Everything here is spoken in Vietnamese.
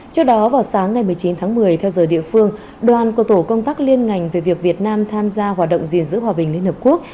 trước đó vào sáng ngày một mươi chín tháng một mươi theo giờ địa phương đoàn của tổ công tác liên ngành về việc việt nam tham gia hoạt động gìn giữ hòa bình liên hợp quốc